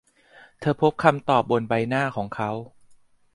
เธอพบคำตอบบนใบหน้าของเขา